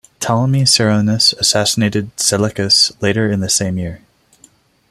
Ptolemy Ceraunus assassinated Seleucus later in the same year.